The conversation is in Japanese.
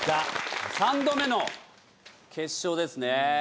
３度目の決勝ですね。